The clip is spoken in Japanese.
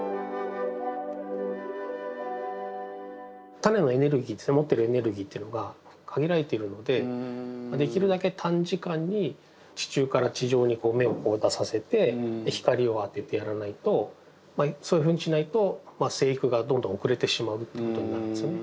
タネのエネルギー持ってるエネルギーっていうのが限られているのでできるだけ短時間に地中から地上に芽を出させて光を当ててやらないとそういうふうにしないと生育がどんどん遅れてしまうっていうことになるんですね。